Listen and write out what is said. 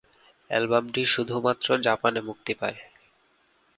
অ্যালবামটি শুধুমাত্র জাপানে মুক্তি পায়।